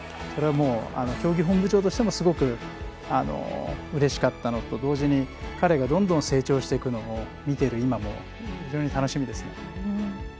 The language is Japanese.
それを競技本部長としてもすごくうれしかったのと同時に彼がどんどん成長していくのを見ている今も非常に楽しみですね。